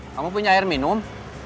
kamu punya air minum